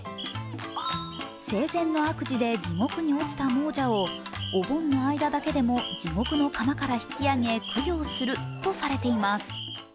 生前の悪事で地獄に落ちた亡者を、お盆の間だけでも地獄の釜から引き上げ供養するとされています。